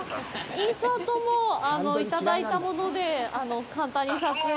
インサートも、いただいたもので簡単に撮影を。